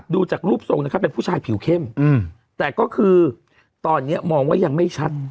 ดูจากรูปทรงนะครับเป็นผู้ชายผิวเข้มแต่ก็คือตอนนี้มองว่ายังไม่ชัด